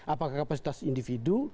apakah kapasitas individu